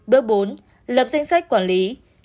bước bốn lập danh sách quản lý